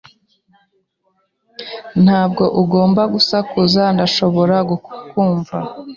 Ntabwo ugomba gusakuza. Ndashobora kukumva.